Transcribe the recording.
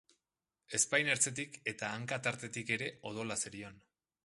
Ezpain ertzetik eta hanka tartetik ere odola zerion.